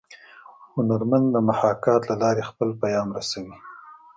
هنرمن د محاکات له لارې خپل پیام رسوي